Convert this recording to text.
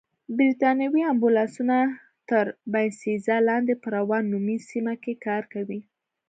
بریتانوي امبولانسونه تر باینسېزا لاندې په راون نومي سیمه کې کار کوي.